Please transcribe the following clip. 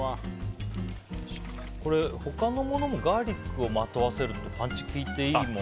他のものもガーリックをまとわせるとパンチが効いていいもの